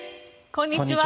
こんにちは。